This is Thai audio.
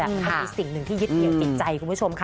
มันมีสิ่งหนึ่งที่ยึดเหนียวติดใจคุณผู้ชมค่ะ